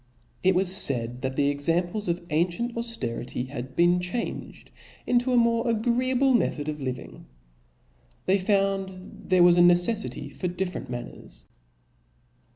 It was faid, that the examples of ancient aufterity bad. been changed into a more agreeable method of living (^). They found there was a necelllty for (*) MuU different manners.